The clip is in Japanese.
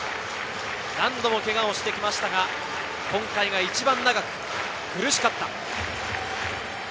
何度もけがをしてきましたが、今回が一番長く苦しかった。